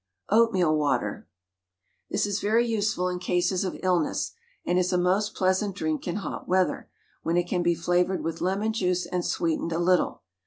OATMEAL WATER. This is very useful in cases of illness, and is a most pleasant drink in hot weather, when it can be flavoured with lemon juice and sweetened a little.